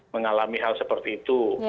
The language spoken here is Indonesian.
mengalami hal seperti itu